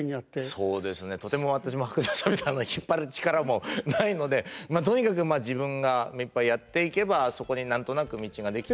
そうですねとても私も伯山さんみたいな引っ張る力もないのでとにかく自分が目いっぱいやっていけばそこに何となく道が出来て。